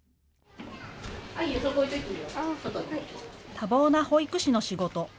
多忙な保育士の仕事。